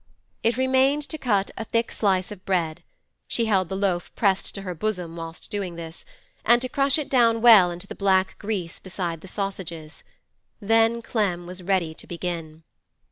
It remained to cut a thick slice of bread—she held the loaf pressed to her bosom whilst doing this—and to crush it down well into the black grease beside the sausages; then Clem was ready to begin.